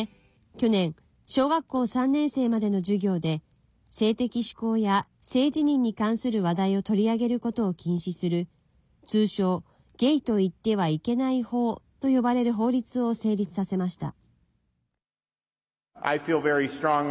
去年、小学校３年生までの授業で性的指向や性自認に関する話題を取り上げることを禁止する通称ゲイと言ってはいけない法と呼ばれる法律を成立させました。